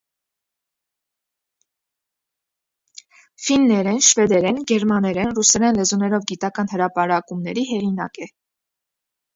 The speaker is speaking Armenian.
Ֆիններեն, շվեդերեն, գերմաներեն, ռուսերեն լեզուներով գիտական հրապարակումների հեղինակ է։